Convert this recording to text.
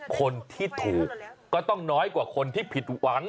คนที่ถูกก็ต้องน้อยกว่าคนที่ผิดหวัง